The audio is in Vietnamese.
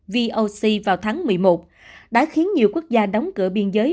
voc vào tháng một mươi một đã khiến nhiều quốc gia đóng cửa biên giới